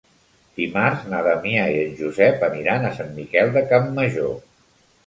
Dimarts na Damià i en Josep aniran a Sant Miquel de Campmajor.